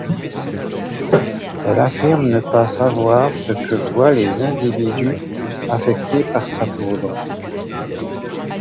Elle affirme ne pas savoir ce que voient les individus affectés par sa poudre.